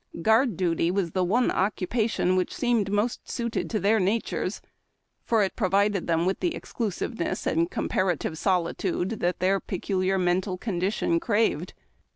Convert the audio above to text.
Guard duty was the one occupation which seemed most suited to their natures, for it provided them with the exclusiveness and comparative solitude that their peculiar mental condition craved.